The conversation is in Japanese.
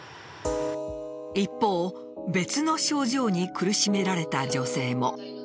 一方、別の症状に苦しめられた女性も。